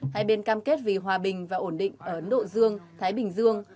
hay bên cam kết vì hòa bình và ổn định ở nội dương thái bình dương